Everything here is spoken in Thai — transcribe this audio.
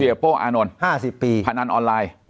เจียบโป้อานนท์ผนันออนไลน์